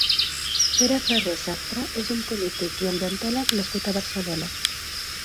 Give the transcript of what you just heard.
Pere Ferrer Sastre és un polític i ambientòleg nascut a Barcelona.